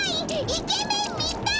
イケメン見たい！